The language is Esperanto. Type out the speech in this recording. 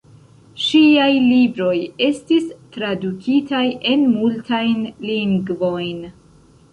Ŝiaj libroj estis tradukitaj en multajn lingvojn.